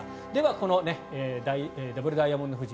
このダブルダイヤモンド富士